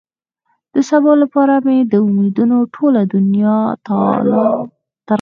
د سبا لپاره مې د امېدونو ټوله دنيا تالا ترغه شي.